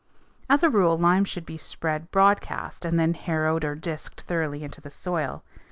As a rule lime should be spread broadcast and then harrowed or disked thoroughly into the soil.